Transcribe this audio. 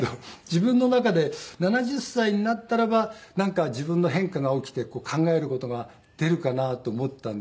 自分の中で７０歳になったらばなんか自分の変化が起きて考える事が出るかなと思ったんですよ。